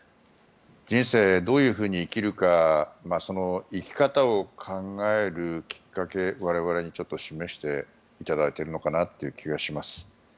人生どういうふうに生きるかその生き方を考えるきっかけを我々に示していただいているのかなという気がします。